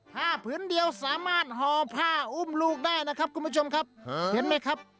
ผ้าผืนเดียวสามารถห่อผ้าอุ้มลูกได้นะครับคุณผู้ชมครับเห็นไหมครับ